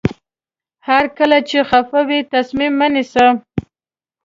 هر کله چې خفه وئ تصمیم مه نیسئ.